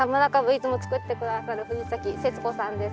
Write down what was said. いつも作って下さる藤世津子さんです。